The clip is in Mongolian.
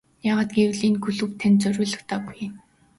Яагаад гэвэл энэ клуб танд зориулагдаагүй.